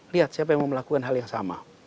lihat siapa yang mau melakukan hal yang sama